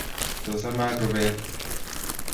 Tos, amak rubet